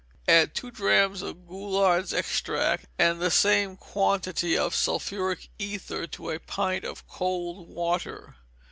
Add two drachms of Goulard's extract, and the same quantity of sulphuric ether to a pint of cold water.